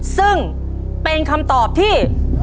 ซึ่งเป็นคำตอบที่